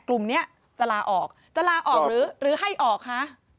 กลุ่มนี้จะลาออกจะลาออกหรือให้ออกคะ